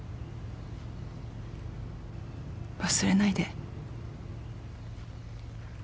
忘れないで。